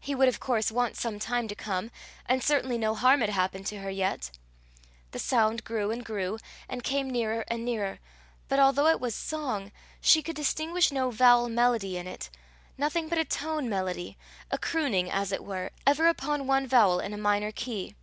He would of course want some time to come, and certainly no harm had happened to her yet. The sound grew and grew, and came nearer and nearer. But although it was song, she could distinguish no vowel melody in it, nothing but a tone melody, a crooning, as it were, ever upon one vowel in a minor key.